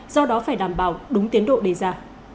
do đó phải đảm bảo đúng tiến độ đề ra